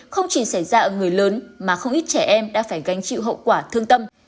không chỉ xảy ra ở người lớn mà không ít trẻ em đã phải gánh chịu hậu quả thương tâm